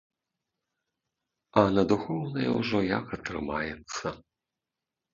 А на духоўнае ўжо як атрымаецца.